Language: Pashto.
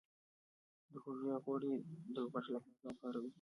د هوږې غوړي د غوږ لپاره وکاروئ